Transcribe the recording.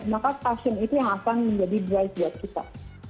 maka stasiun itu yang akan menjadi drive buat kita